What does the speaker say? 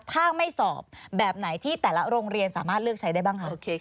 ถ้าไม่สอบแบบไหนที่แต่ละโรงเรียนสามารถเลือกใช้ได้บ้างคะ